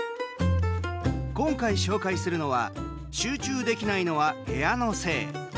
今回紹介するのは「集中できないのは、部屋のせい。」。